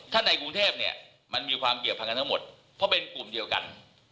ถ้าในกรุงเทพเนี่ยมันมีความเกี่ยวพันกันทั้งหมดเพราะเป็นกลุ่มเดียวกัน